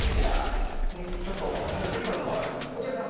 「落合さん